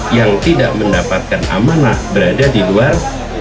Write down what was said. yang tidak mendapatkan amanah berada di luar